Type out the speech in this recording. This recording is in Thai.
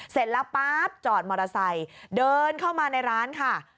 เสร็จแล้วป๊าบจอดมอเตอร์ไซค์เดินเข้ามาในร้านค่ะ